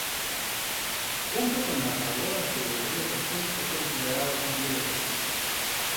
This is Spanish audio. Junto con la Pagoda sobre el Río Perfume, es considerado un icono de Vietnam.